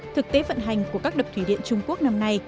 thực tế vận hành của các đập thủy điện trung quốc năm nay